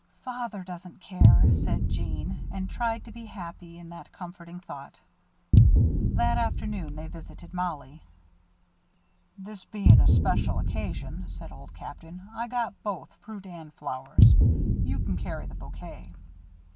"Father doesn't care," said Jeanne, and tried to be happy in that comforting thought. That afternoon, they visited Mollie. "This bein' a special occasion," said Old Captain, "I got both fruit and flowers. You kin carry the bouquet."